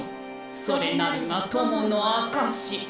それなるが友の証し。